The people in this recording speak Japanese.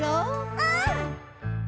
うん。